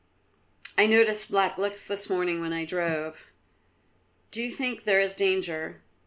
"I noticed black looks this morning when I drove. Do you think there is danger?"